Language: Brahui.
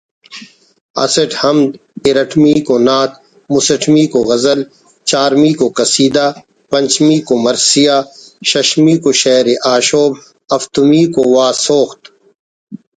اسٹ حمد، ارٹمیکو نعت، مسٹمیکو غزل، چارمیکو قصیدہ، پنچمیکو مرثیہ، ششمیکو شہر آشوب، ہفتمیکو واسوخت